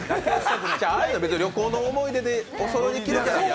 ああいうの旅行の思い出でおそろいで着るから。